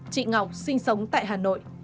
chị ngọc sinh sống tại hà nội